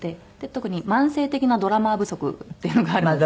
特に慢性的なドラマー不足っていうのがあるので。